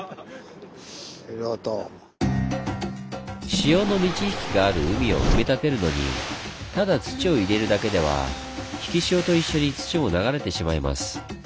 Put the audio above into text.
潮の満ち引きがある海を埋め立てるのにただ土を入れるだけでは引き潮と一緒に土も流れてしまいます。